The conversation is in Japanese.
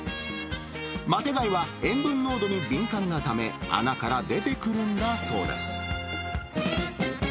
マテ貝は塩分濃度に敏感なため、穴から出てくるんだそうです。